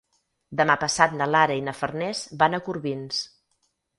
Demà passat na Lara i na Farners van a Corbins.